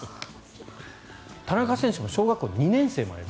田中選手も小学校２年生まで。